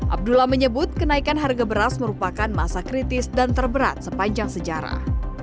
abdullah menyebut kenaikan harga beras merupakan masa kritis dan terberat sepanjang sejarah